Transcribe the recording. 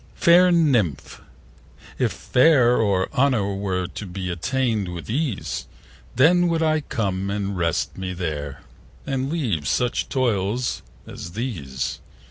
Fair Nymph, if fame or honour were To be attain'd with ease, 10 Then would I come and rest me there, And leave such toils as these.